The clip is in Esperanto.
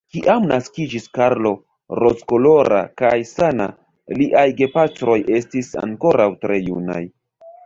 Kiam naskiĝis Karlo, rozkolora kaj sana, liaj gepatroj estis ankoraŭ tre junaj.